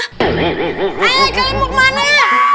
hai kalian mau kemana